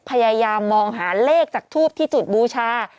พยายามมองหาเลขจากทูบที่จุดบูชา